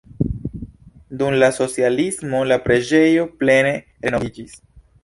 Dum la socialismo la preĝejo plene renoviĝis.